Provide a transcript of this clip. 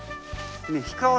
ねえ